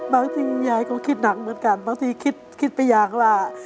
บางทียายก็คิดหนักเหมือนกันบางทีคิดไปอย่างว่า